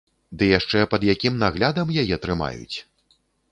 Ды яшчэ пад якім наглядам яе трымаюць!